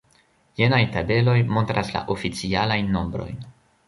Jenaj tabeloj montras la oficialajn nombrojn.